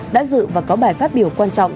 đã dự và có bài phát biểu quan trọng